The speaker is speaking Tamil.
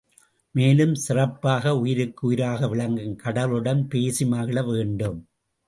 மேலும் சிறப்பாக உயிருக்கு உயிராக விளங்கும் கடவுளிடம் பேசி மகிழ வேண்டும்.